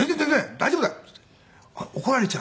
大丈夫だ」って言って怒られちゃうの。